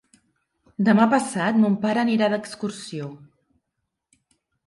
Demà passat mon pare anirà d'excursió.